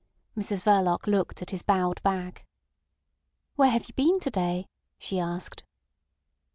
Mrs Verloc looked at his bowed back. "Where have you been to day?" she asked.